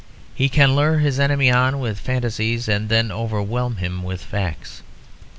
He can lure his enemy on with fantasies and then overwhelm him with facts.